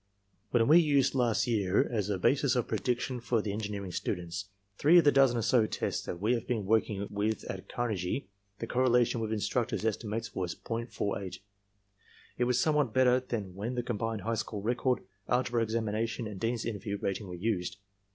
"When we used last year as a basis of prediction for the en gineering students, three of the dozen or so tests that we had been working with at Carnegie, the correlation with instructors' estimates was .48. It was somewhat better than when the combined high school record, algebra examination and Dean's interview rating were used.